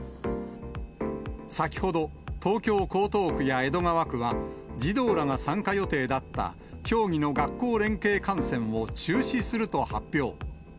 先ほど、東京・江東区や江戸川区は、児童らが参加予定だった競技の学校連携観戦を中止すると発表。